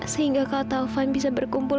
sehingga katovan bisa berkumpul